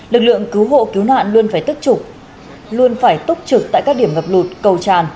lực lượng cứu hộ cứu nạn luôn phải tức luôn phải túc trực tại các điểm ngập lụt cầu tràn